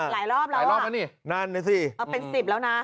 หลายรอบแล้วหลายรอบแล้วนี่นั่นน่ะสิเออเป็นสิบแล้วนะ